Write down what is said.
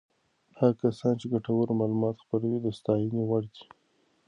هغه کسان چې ګټور معلومات خپروي د ستاینې وړ دي.